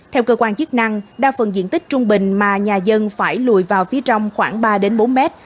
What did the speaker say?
theo cơ quan chức năng đa phần diện tích trung bình mà nhà dân phải lùi vào phía trong khoảng ba bốn mét